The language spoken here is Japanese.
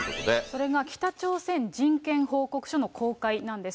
それが北朝鮮人権報告書の公開なんです。